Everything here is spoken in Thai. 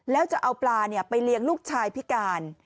แล้วจะเอาปลาไปเลี้ยงลูกชายพิการ